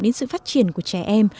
đến sự phát triển của trẻ em